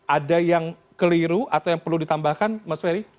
ada yang keliru atau yang perlu ditambahkan mas ferry